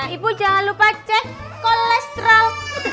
ibu jangan lupa cek kolesterol